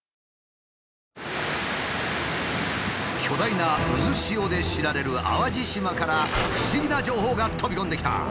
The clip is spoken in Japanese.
巨大な渦潮で知られる淡路島から不思議な情報が飛び込んできた。